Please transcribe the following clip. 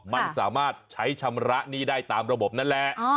มันสามารถใช้ชำระหนี้ได้ตามระบบนั่นแหละ